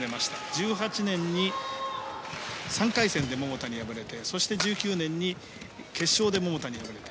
１８年に３回戦で桃田に敗れてそして１９年に決勝で桃田に敗れた。